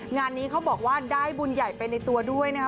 งานนี้เขาบอกว่าได้บุญใหญ่ไปในตัวด้วยนะครับ